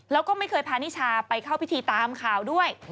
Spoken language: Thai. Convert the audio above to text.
แล้วก็ไม่เคยพานิชาไปเข้าพิธีตามข่าวด้วย